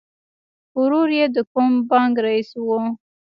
ورور یې د کوم بانک رئیس و